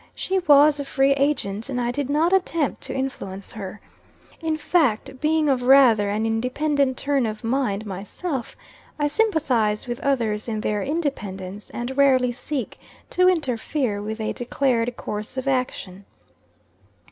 She was a free agent, and I did not attempt to influence her. In fact, being of rather an independent turn of mind myself, I sympathize with others in their independence, and rarely seek to interfere with a declared course of action.